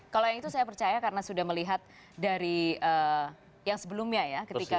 kalau yang itu saya percaya karena sudah melihat dari yang sebelumnya ya